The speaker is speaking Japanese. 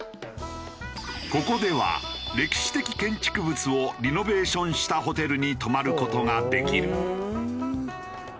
ここでは歴史的建築物をリノベーションしたホテルに泊まる事ができる。